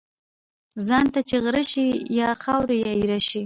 ځان ته چی غره شی ، یا خاوري یا ايره شی .